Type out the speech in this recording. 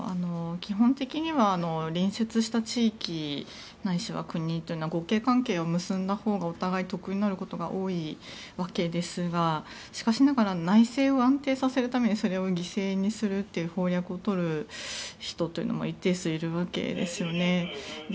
基本的には隣接した地域ないしは国というのは互恵関係を結んだほうがお互い得になることが多いわけですがしかしながら内政を安定させるためにはそれを犠牲にするという方略を取る人は一定数いるわけですよね。